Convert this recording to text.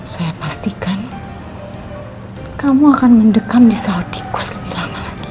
saya pastikan kamu akan mendekam di saatiku selama lagi